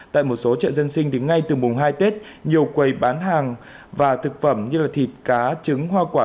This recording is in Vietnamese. tại một số chợ dân sinh thì ngay từ mùng hai tết nhiều quầy bán hàng và thực phẩm như thịt cá trứng hoa quả